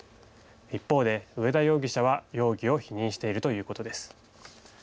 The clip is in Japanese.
一方で上田容疑者は容疑を否認しているということです。